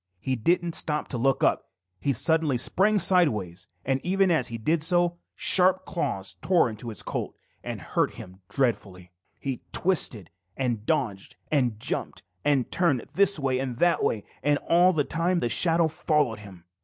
He didn't stop to look up. He suddenly sprang sideways, and even as he did so, sharp claws tore his coat and hurt him dreadfully. He twisted and dodged and jumped and turned this way and that way, and all the time the shadow followed him.